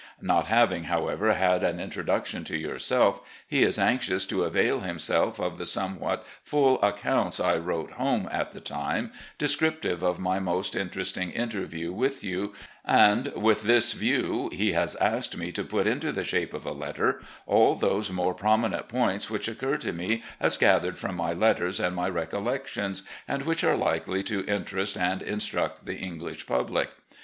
Not having, however, had an introduction to yourself, he is anxious to avail himself of the somewhat full accotmts I wrote home at the time, descriptive of my most interesting interview with you, and, with this view, he has asked me to put into the shape of a letter all those more prominent points which occur to me as gathered from my letters and my recollection, and which are likely to interest and instruct the English public.